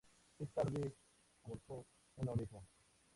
Esa tarde cortó una oreja.